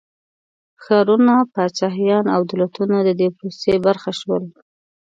ښارونه، پاچاهيان او دولتونه د دې پروسې برخه شول.